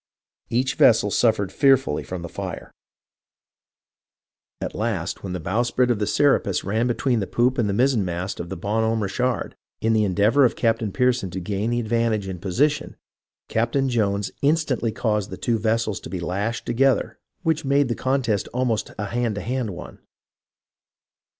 Each vessel suffered fearfully from the fire. At last, 392 HISTORY OF THE AMERICAN REVOLUTION when the bowsprit of the Serapis ran between the poop and the mizzenmast of the Bon Homme Richard, in the endeavour of Captain Pearson to gain the advantage in position, Captain Jones instantly caused the two vessels to be lashed together, which made the contest almost a hand to hand one.